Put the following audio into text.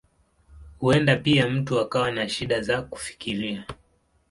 Huenda pia mtu akawa na shida za kufikiria.